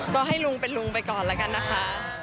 ก็ให้ลุงเป็นลุงไปก่อนแล้วกันนะคะ